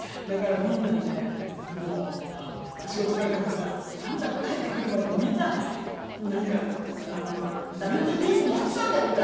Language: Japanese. だからみんなねもう仕事から帰ってきたら「あんたが帰ってくるまではみんななんか全然ピースにやってたんだよ」